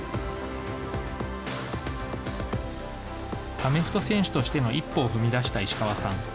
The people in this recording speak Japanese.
アメフト選手としての一歩を踏み出した石川さん。